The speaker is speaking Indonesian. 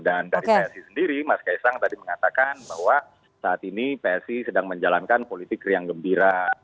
dan dari psi sendiri mas kaisang tadi mengatakan bahwa saat ini psi sedang menjalankan politik riang gembira